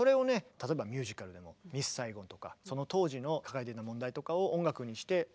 例えばミュージカルでも「ミス・サイゴン」とかその当時の抱えてた問題とかを音楽にしてお送りしてる。